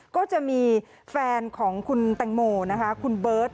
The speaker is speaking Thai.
ก็จะมีแฟนของคุณแตงโมนะคะคุณเบิร์ต